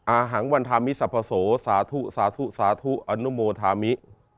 อาหังวันธามิสภโศสาธุสาธุสาธุอนุโมธามิ